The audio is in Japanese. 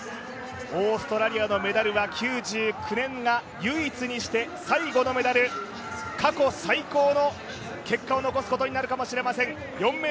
オーストラリアのメダルは９９年が唯一にして最後のメダル、過去最高の結果を残すことになるかもしれません。